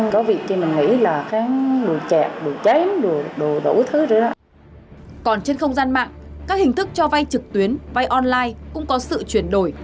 còn trên không gian mạng các hình thức cho vay trực tuyến vay online cũng có sự chuyển đổi